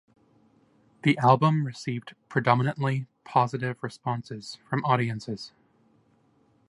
The album received predominantly positive response from audiences.